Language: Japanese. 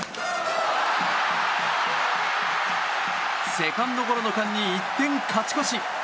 セカンドゴロの間に１点勝ち越し。